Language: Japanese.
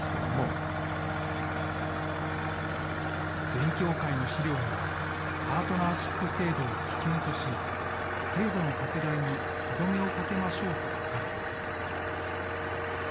勉強会の資料には、パートナーシップ制度を危険とし、制度の拡大に歯止めをかけましょうと書かれています。